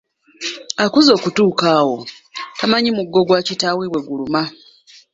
Akuze kutuuka awo, tamanyi muggo gwa kitaawe bwe guluma.